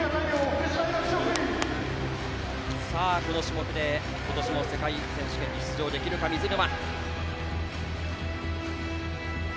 この種目で今年も世界選手権に出場できるか水沼。